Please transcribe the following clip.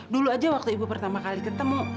dulu aja waktu ibu pertama kali ketemu